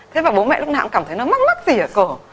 thế và bố mẹ lúc nào cũng cảm thấy nó mắc mất gì ở cổ